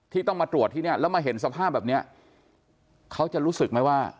ต้องมาตรวจที่เนี่ยแล้วมาเห็นสภาพแบบเนี้ยเขาจะรู้สึกไหมว่า